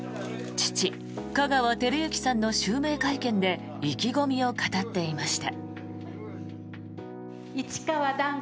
父・香川照之さんの襲名会見で意気込みを語っていました。